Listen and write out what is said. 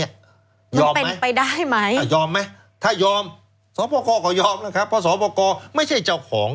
ยอมไหมยอมไหมถ้ายอมสอปอกอก็ยอมนะครับเพราะสอปอกอไม่ใช่เจ้าของ